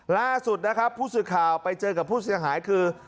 ล่าสุดนะครับผู้สื่อข่าวไปเจอกับผู้เสียหายคือ